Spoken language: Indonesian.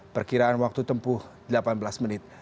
perkiraan waktu tempuh delapan belas menit